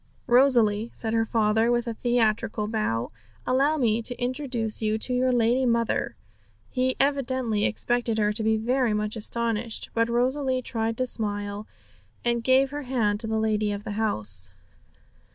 'Rosalie,' said her father, with a theatrical bow, 'allow me to introduce you to your lady mother!' He evidently expected her to be very much astonished, but Rosalie tried to smile, and gave her hand to the lady of the house.